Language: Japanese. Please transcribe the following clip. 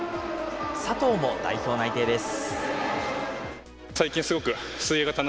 佐藤も代表内定です。